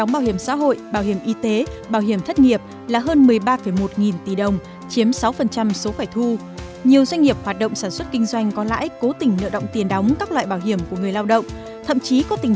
bảo hiểm xã hội bảo hiểm y tế bảo hiểm thất nghiệp chiếm sáu ba số phải thu lên đến hơn một mươi sáu sáu trăm linh tỷ đồng